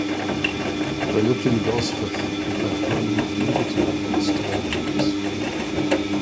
They lived in Gosforth and left running of the Middleton pits to agents.